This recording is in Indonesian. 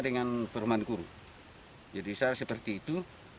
dengan perumahan guru jadi saya seperti itu